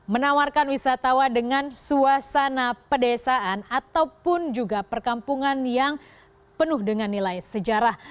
menawarkan wisatawan dengan suasana pedesaan ataupun juga perkampungan yang penuh dengan nilai sejarah